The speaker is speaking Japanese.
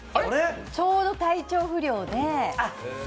ちょうど体調不良で。